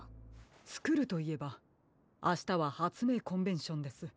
つくるといえばあしたははつめいコンベンションです。